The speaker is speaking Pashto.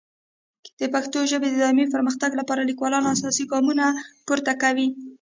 د پښتو ژبې د دایمي پرمختګ لپاره لیکوالان اساسي ګامونه نه پورته کوي.